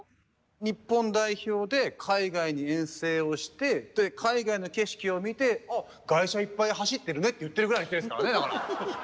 日本代表でで海外の景色を見て「あ外車いっぱい走ってるね」って言ってるぐらいの人ですからねだから。